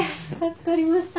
助かりました。